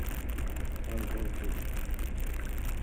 High voltage!